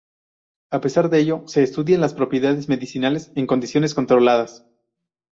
A pesar de ello se estudian las propiedades medicinales en condiciones controladas.